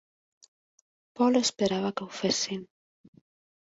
Paul esperava que ho fessin.